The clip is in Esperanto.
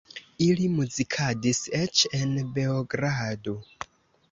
Ili muzikadis eĉ en Beogrado.